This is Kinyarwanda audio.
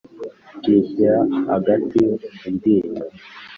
yishyira agati mu ryinyo